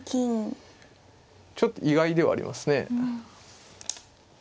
ちょっと意外ではありますね。